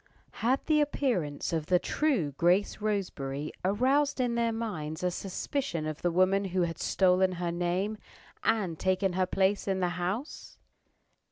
Had the appearance of the true Grace Roseberry aroused in their minds a suspicion of the woman who had stolen her name, and taken her place in the house?